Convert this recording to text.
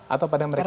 atau pada mereka